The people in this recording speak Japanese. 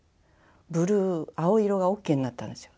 ブルー青色がＯＫになったんですよ。